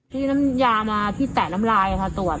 ที่น้ำยามาที่แตะน้ำลายค่ะตรวจ